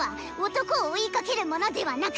男を追いかけるものではなく！